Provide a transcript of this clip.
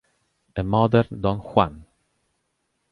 A Modern Don Juan